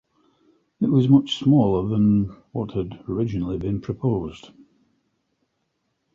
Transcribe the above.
It was much smaller than what had originally been proposed.